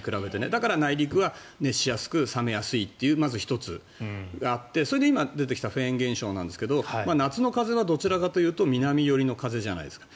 だから内陸は熱しやすく冷めやすいというのが１つあってそれで今出てきたフェーン現象ですが夏の風は、どちらかというと南寄りの風じゃないですか。